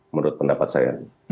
menurut pendapat saya